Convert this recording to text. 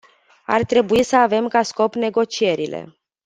Ar trebui să avem ca scop negocierile.